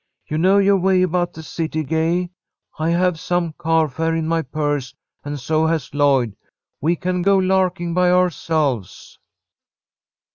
You know your way about the city, Gay; I have some car fare in my purse, and so has Lloyd. We can go larking by ourselves."